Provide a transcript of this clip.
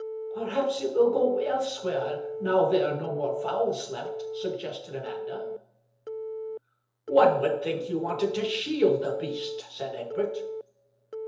"Perhaps it will go elsewhere now there are no more fowls left," suggested Amanda. "One would think you wanted to shield the beast," said Egbert.